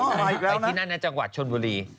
ไปที่นั่นนะจังหวัดชนบุรี